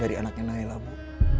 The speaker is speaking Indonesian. jadi anaknya nailah bu